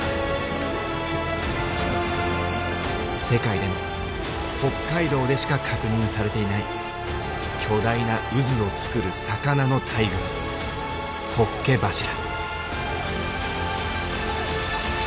世界でも北海道でしか確認されていない巨大な渦を作る魚の大群ホッケ柱。